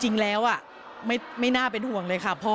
จริงแล้วไม่น่าเป็นห่วงเลยค่ะ